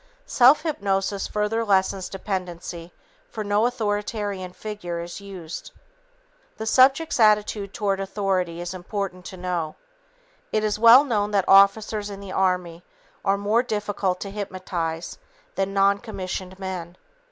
Self hypnosis further lessens dependency for no authoritarian figure is used. The subject's attitude towards authority is important to know. It is well known that officers in the army are more difficult to hypnotize than noncommissioned men.